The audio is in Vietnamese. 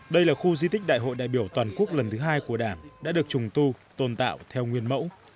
đây là khu di tích đại hội đại biểu toàn quốc lần thứ hai của đảng đã được trùng tu tồn tạo theo nguyên mẫu